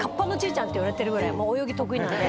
ていわれてるぐらい泳ぎ得意なんで。